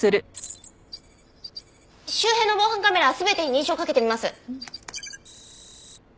周辺の防犯カメラ全てに認証をかけてみます。